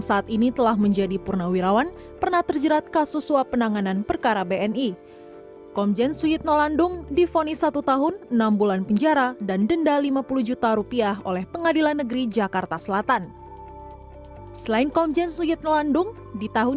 siapa saja jenderal di tubuh kepolisian